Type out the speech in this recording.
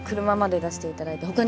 車まで出していただいて。